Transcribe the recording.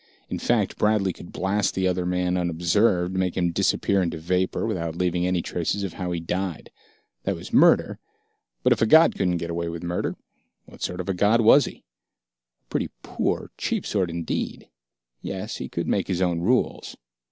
In fact, Bradley could blast the other man unobserved, make him disappear into vapor, without leaving any traces of how he died. That was murder, but if a god couldn't get away with murder, what sort of god was he? A pretty poor, cheap sort indeed. Yes, he could make his own rules.